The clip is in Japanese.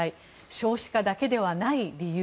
少子化だけではない理由。